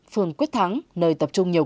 cơ sở kinh doanh dịch vụ internet